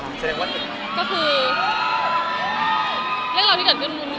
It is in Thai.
ก็คือเรื่องราวที่เกิดขึ้น